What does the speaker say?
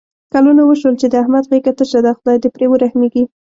کلونه وشول چې د احمد غېږه تشه ده. خدای دې پرې ورحمېږي.